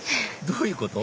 どういうこと？